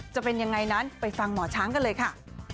จะเป็นยังไงนั้นไปฟังหมอช้างกันเลยค่ะ